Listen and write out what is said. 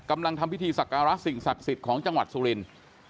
ทำพิธีสักการะสิ่งศักดิ์สิทธิ์ของจังหวัดสุรินทร์